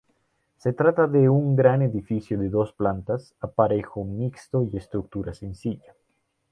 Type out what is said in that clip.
Se trata de un gran edificio de dos plantas, aparejo mixto y estructura sencilla.